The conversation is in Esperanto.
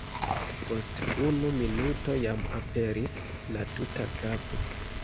Post unu minuto jam aperis la tuta kapo.